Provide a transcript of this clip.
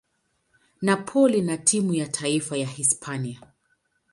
Napoli na timu ya taifa ya Hispania.